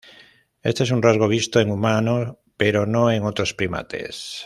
Este es un rasgo visto en humano, pero no en otros primates.